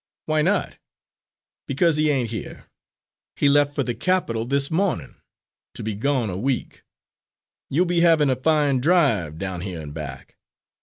"Why not?" "Because he ain't here. He left for the capital this mornin', to be gone a week. You'll be havin' a fine drive, down here and back."